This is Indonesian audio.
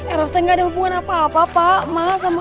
eros tak ada hubungan apa apa pak mas sama akemet